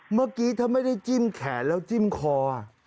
เมื่อกี้ถ้าไม่ได้จิ้มแขนแล้วจิ้มคอ